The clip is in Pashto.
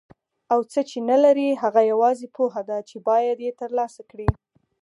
او څه چې نه لري هغه یوازې پوهه ده چې باید یې ترلاسه کړي.